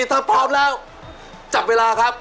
ถ้าพร้อมแล้วจับเวลาครับ